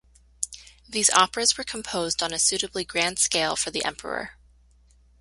These operas were composed on a suitably grand scale for the Emperor.